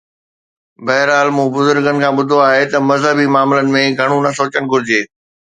بهرحال مون بزرگن کان ٻڌو آهي ته مذهبي معاملن ۾ گهڻو نه سوچڻ گهرجي